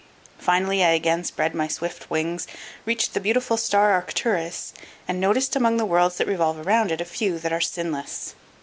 Finally I again spread my swift wings, reached the beautiful star Arcturus and noticed among the worlds that revolve around it a few that are sinless.